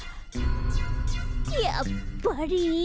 やっぱり。